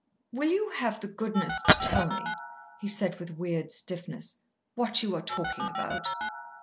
"Will you have the goodness to tell me," he said with weird stiffness, "what you are talking about?"